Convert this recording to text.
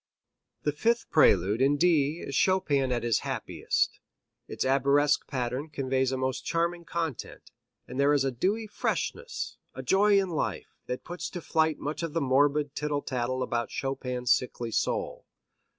The fifth prelude in D is Chopin at his happiest. Its arabesque pattern conveys a most charming content; and there is a dewy freshness, a joy in life, that puts to flight much of the morbid tittle tattle about Chopin's sickly soul.